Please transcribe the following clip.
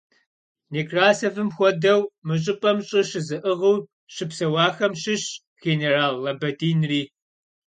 Некрасовым хуэдэу мы щӀыпӀэм щӀы щызыӀыгъыу щыпсэуахэм щыщщ генерал Лабадинри.